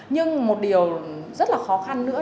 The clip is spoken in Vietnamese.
nhưng một điều rất là khó khăn nữa